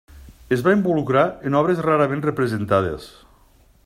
Es va involucrar en obres rarament representades.